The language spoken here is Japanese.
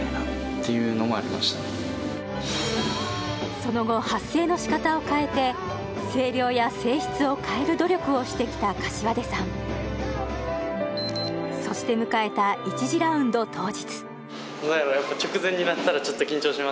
その後発声の仕方を変えて声量や声質を変える努力をしてきた膳さんそして迎えた１次ラウンド当日